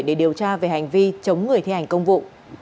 để điều tra về hành vi chống người thi hành công vụ